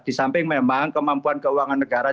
di samping memang kemampuan keuangan negara